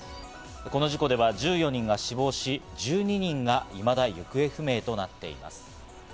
この事故では１４人が死亡し、１２人がいまだ行方不明となっています。